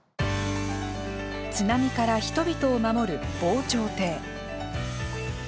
津波から人々を守る、防潮堤。